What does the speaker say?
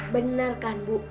bener kan bu